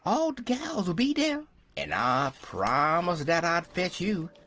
'All de gals 'll be dere, en I prommus' dat I'd fetch you.